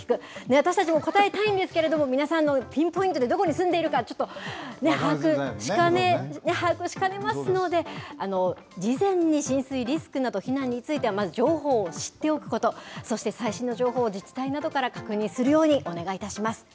私たちも答えたいんですけれども、皆さんのピンポイントでどこに住んでいるか、ちょっと把握しかねますので、事前に浸水リスクなど、避難についてはまず情報を知っておくこと、そして最新の情報を自治体などから確認するようにお願いいたします。